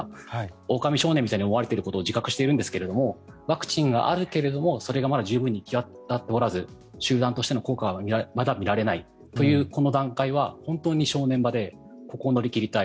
おおかみ少年みたいに言われていることを自覚しているんですがワクチンがあるけれどもそれがまだ十分に行き渡っておらず集団としての効果はまだ見られないというこの段階は本当に正念場でここを乗り切りたい。